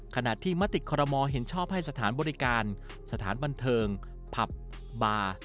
ขณะที่มติคอรมอลเห็นชอบให้สถานบริการสถานบันเทิงผับบาร์